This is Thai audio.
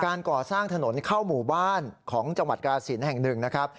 ก่อสร้างถนนเข้าหมู่บ้านของจังหวัดกาศิลป์แห่งหนึ่งนะครับ